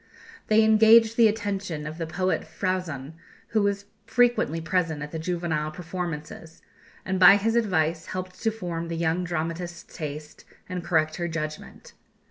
They engaged the attention of the poet Frauzon, who was frequently present at the juvenile performances, and by his advice helped to form the young dramatist's taste, and correct her judgment.